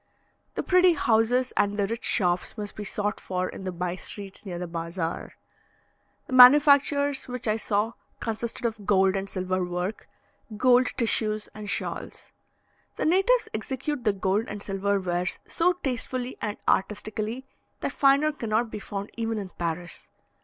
The pretty houses and the rich shops must be sought for in the bye streets near the bazaar. The manufactures which I saw, consisted of gold and silver work, gold tissues and shawls. The natives execute the gold and silver wares so tastefully and artistically, that finer cannot be found even in Paris.